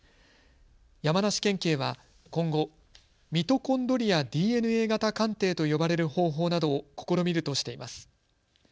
山梨県警は今後、ミトコンドリアＤＮＡ型鑑定と呼ばれる方法などを試みるとしています。